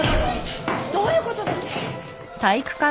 どういう事ですか！？